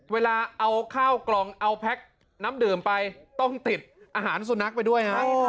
เวลาเอาข้าวกล่องเอาแพ็คน้ำดื่มไปต้องติดอาหารสุนัขไปด้วยฮะ